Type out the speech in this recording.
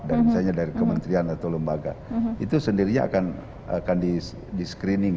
dan misalnya dari kementerian atau lembaga itu sendirinya akan diskrining